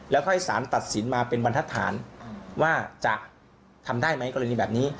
แล้วค่อยสารตัดสินมาเป็นบรรทัศนว่าจะทำได้ไหมกรณีแบบนี้